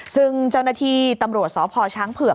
ซึ่งเจ้าหน้าที่ตำรวจสพช้างเผือก